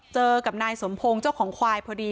เจอกับนายสมพงศ์เจ้าของควายพอดี